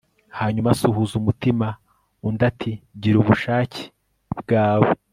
Hanyuma asuhuza umutima undi ati Gira ubushake bwawe